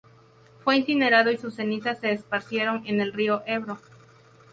Fue incinerado y sus cenizas se esparcieron en el río Ebro.